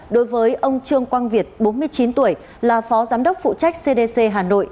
đối với ông trương quang việt bốn mươi chín tuổi là phó giám đốc phụ trách cdc hà nội